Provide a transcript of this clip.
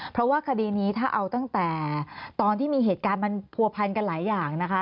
เพราะว่าคดีนี้ถ้าเอาตั้งแต่ตอนที่มีเหตุการณ์มันผัวพันกันหลายอย่างนะคะ